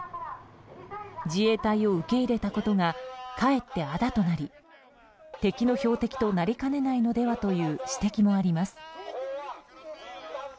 自衛隊を受け入れたことがかえってあだとなり敵の標的となりかねないのではという指摘もあります。